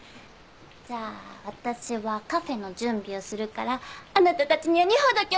じゃあ私はカフェの準備をするからあなたたちには荷ほどきをお願いするわ！